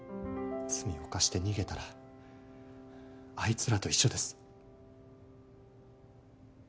罪を犯して逃げたらあいつらと一緒です。